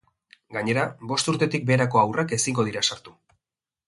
Gainera, bost urtetik beherako haurrak ezingo dira sartu.